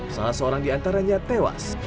salah seorang di antaranya tewas